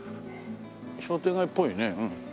商店街っぽいねうん。